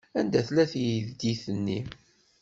Anda tella teydit-nni?